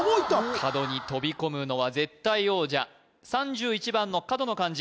角に飛び込むのは絶対王者３１番の角の漢字